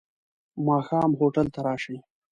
ماښام هوټل ته راشې.